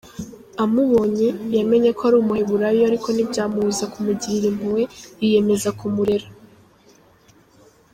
Amubonye, yamenye ko ari umuheburayo ariko ntibyamubuza kumugirira impuhwe, yiyemeza kumurera.